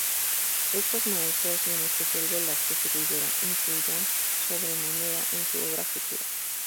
Estos maestros, y en especial Velázquez y Ribera, influirán sobremanera en su obra futura.